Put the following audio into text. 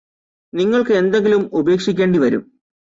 നിങ്ങള്ക്ക് എന്തെങ്കിലും ഉപേക്ഷിക്കേണ്ടി വരും